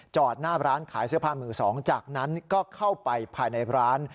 หน้าร้านขายเสื้อผ้ามือสองจากนั้นก็เข้าไปภายในร้าน